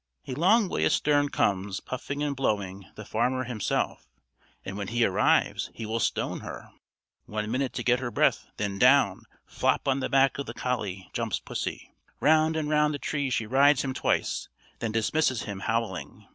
A long way astern comes, puffing and blowing, the farmer himself, and when he arrives he will stone her. One minute to get her breath; then down, flop on the back of the collie, jumps pussy. Round and round the tree she rides him twice, then dismisses him howling.